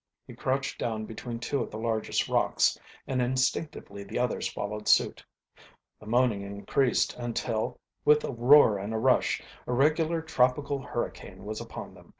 He crouched down between two of the largest rocks and instinctively the others followed suit. The "moanin" increased until, with a roar and a rush, a regular tropical hurricane was upon them.